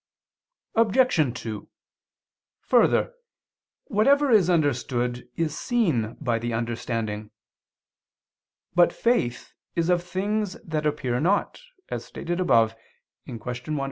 Obj. 2: Further, whatever is understood is seen by the understanding. But faith is of things that appear not, as stated above (Q. 1, A.